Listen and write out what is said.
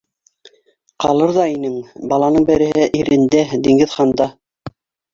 Ҡалыр ҙа инең - баланың береһе ирендә - Диңгеҙханда!